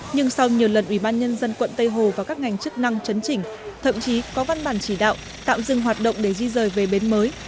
nhưng sau nhiều lần ubnd quận tây hồ và các ngành chức năng chấn chỉnh thậm chí có văn bản chỉ đạo tạm dừng hoạt động để di rời về bến mới